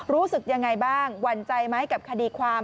รู้สึกยังไงบ้างหวั่นใจไหมกับคดีความ